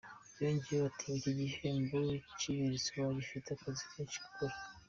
Yongeyeho ko iki gihembo cyiberetse ko bagifite akazi kenshi ko gukora .